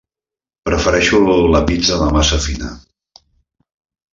Prefereixo la pizza de massa fina.